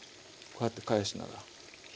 こうやって返しながら。